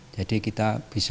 jadi kita bisa